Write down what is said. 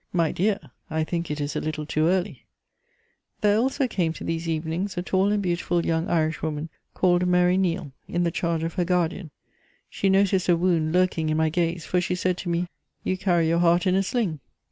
"'My dear, I think it is a little too early.'" There also came to these evenings a tall and beautiful young Irishwoman, called Mary Neale, in the charge of her guardian. She noticed a wound lurking in my gaze, for she said to me: "You carry your heart in a sling."